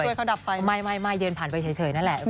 ช่วยเขาดับไฟไม่เดินผ่านไปเฉยนั่นแหละ